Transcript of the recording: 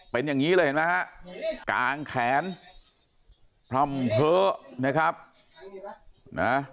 เป็นอย่างนี้เลยฮะกางแขนพร่ำเธอ